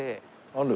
ある？